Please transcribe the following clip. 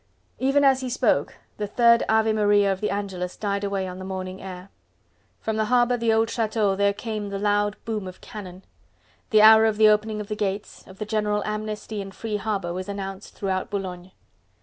Even as he spoke the third Ave Maria of the Angelus died away on the morning air. From the harbour and the old Chateau there came the loud boom of cannon. The hour of the opening of the gates, of the general amnesty and free harbour was announced throughout Boulogne.